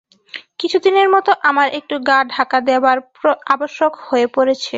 কিছুদিনের মত আমার একটু গা-ঢাকা দেবার আবশ্যক হয়ে পড়েছে।